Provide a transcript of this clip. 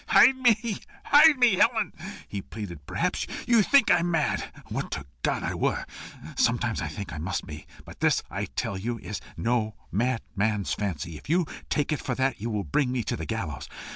"Hide me hide me, Helen!" he pleaded. "Perhaps you think I am mad. Would to God I were! Sometimes I think I must be. But this I tell you is no madman's fancy. If you take it for that, you will bring me to the gallows.